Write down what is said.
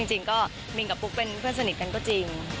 จริงก็มินกับปุ๊กเป็นเพื่อนสนิทกันก็จริง